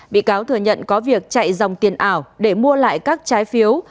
bị cáo thừa nhận có việc chạy dòng tiền ảo để mua lại các trái phiếu